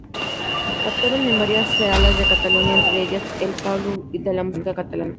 Actuaron en varias salas de Cataluña, entre ellas el Palau de la Música Catalana.